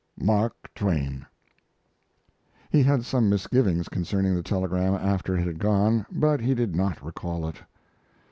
MARK TWAIN. He had some misgivings concerning the telegram after it had gone, but he did not recall it.